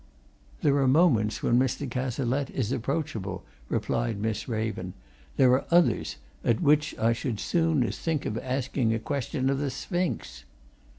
"There are moments when Mr. Cazalette is approachable," replied Miss Raven. "There are others at which I should as soon think of asking a question of the Sphinx."